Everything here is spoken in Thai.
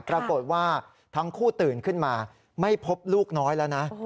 ปรากฏว่าทั้งคู่ตื่นขึ้นมาไม่พบลูกน้อยแล้วนะ